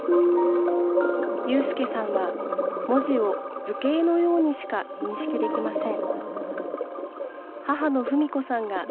有祐さんは文字を図形のようにしか認識できません。